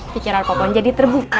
pikiran popon jadi terbuka